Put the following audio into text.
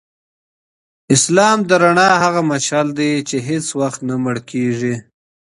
اسلام د رڼا هغه مشعل دی چي هیڅ وختنه مړ کیږي.